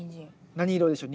何色でしょう？